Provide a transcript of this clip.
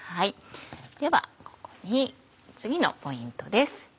ではここに次のポイントです。